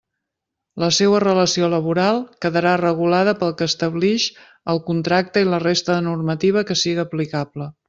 La seua relació laboral quedarà regulada pel que establix el contracte i la resta de normativa que siga aplicable.